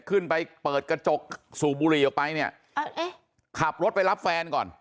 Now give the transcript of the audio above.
ขึ้นไปเปิดกระจกสูบบุหรี่ออกไปเนี่ยเอ๊ะขับรถไปรับแฟนก่อน